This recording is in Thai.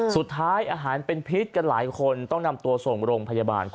สุดท้ายอาหารเป็นพิษกันหลายคนต้องนำตัวส่งโรงพยาบาล